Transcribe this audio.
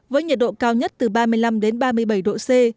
với nhiệt độ cao nhất từ ba mươi năm đến ba mươi bảy độ c